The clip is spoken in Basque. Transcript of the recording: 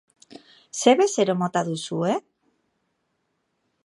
Ze bezero mota duzue?